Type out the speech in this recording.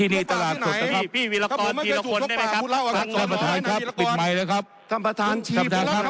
อยากเข้าไปแบบนี้นะก็พันทางใช้กีละคนได้เลยครับนครทำผิดนะครับ